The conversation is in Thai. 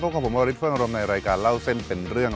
กับผมวาริสเฟิงอารมณ์ในรายการเล่าเส้นเป็นเรื่อง